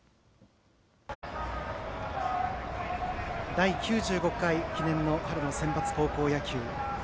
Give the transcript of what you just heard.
第９５回記念の春センバツ高校野球。